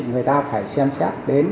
người ta phải xem xét đến